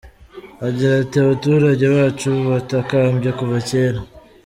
Agira ati “Abaturage bacu batakambye kuva kera.